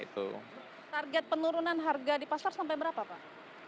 target penurunan harga di pasar sampai berapa pak